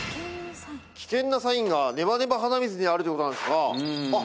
危険なサインがネバネバ鼻水にあるということなんですがあっ